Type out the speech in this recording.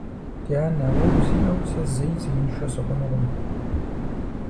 Дянэ, уэ узиӀэу сэ зэи зеиншэ сыхъунукъым.